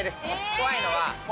怖いのは。